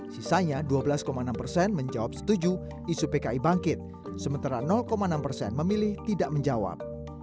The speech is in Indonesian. sisanya dua belas enam persen menjawab setuju isu pki bangkit sementara enam persen memilih tidak menjawab